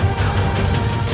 biar saya merayu